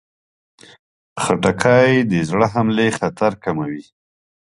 خټکی د زړه حملې خطر کموي.